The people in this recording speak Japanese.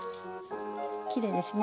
きれいですね。